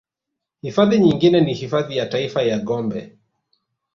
Hifadhi nyingine ni hifadhi ya taifa ya Gombe